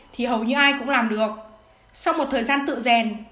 thì hầu như ai cũng làm được sau một thời gian tự rèn